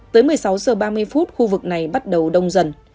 tới một mươi sáu h ba mươi phút khu vực này bắt đầu đông dần